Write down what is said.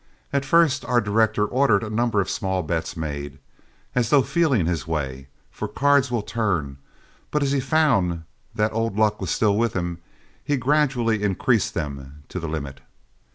At first our director ordered a number of small bets made, as though feeling his way, for cards will turn; but as he found the old luck was still with him, he gradually increased them to the limit.